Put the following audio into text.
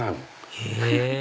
へぇ！